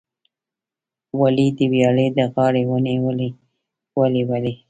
ولي، د ویالې د غاړې ونې ولې ولي؟